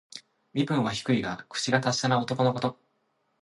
身分は低いが、口が達者な男のこと。